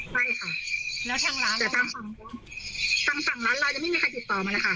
ใช่ค่ะแล้วทางร้านหรือทางฝั่งนู้นทางฝั่งร้านเรายังไม่มีใครติดต่อมาเลยค่ะ